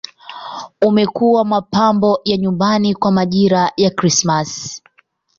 Umekuwa mapambo ya nyumbani kwa majira ya Krismasi.